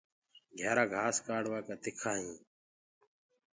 گهيآرآ گھآس ڪروآ ڪآ مآهر هينٚ۔